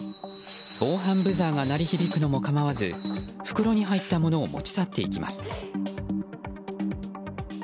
防犯ブザーが鳴り響くのも構わず袋に入ったものを持ち去っていきます。